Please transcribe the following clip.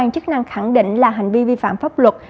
chức năng khẳng định là hành vi vi phạm pháp luật